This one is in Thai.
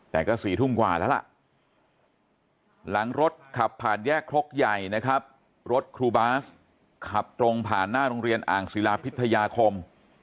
แต่ก็๔ทุ่มกว่าแล้วล่ะหลังรถขับผ่านแยกครกใหญ่นะครับรถครูบาสขับตรงผ่านหน้าโรงเรียนอ่างศิลาพิทยาคม